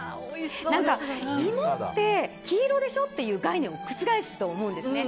芋って黄色でしょっていう概念を覆すと思うんですね。